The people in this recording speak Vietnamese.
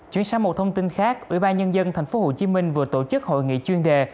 chuyển sang một thông tin khác ủy ban nhân dân tp hcm vừa tổ chức hội nghị chuyên đề